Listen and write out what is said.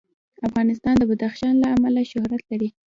افغانستان د بدخشان له امله شهرت لري.